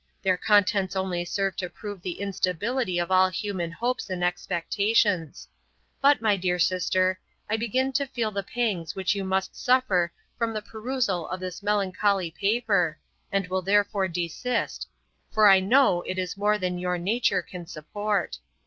Their contents only serve to prove the instability of all human hopes and expectations; but, my dear sister, I begin to feel the pangs which you must suffer from the perusal of this melancholy paper, and will therefore desist, for I know it is more than your nature can support.